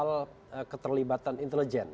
contohnya soal keterlibatan interlokasi